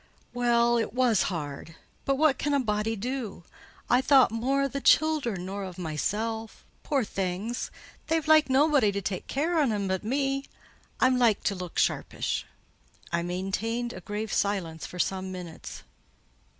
"Well, it was hard: but what can a body do? I thought more o' th' childer nor of mysel: poor things! They've like nobody to tak' care on 'em but me. I'm like to look sharpish." I maintained a grave silence for some minutes.